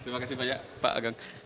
terima kasih banyak pak agang